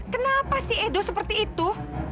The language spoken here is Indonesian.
kenapa si edo seperti itu